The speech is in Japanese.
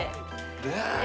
ねえ。